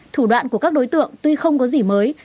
thủ đoạn của các đối tượng tuy không có gì mới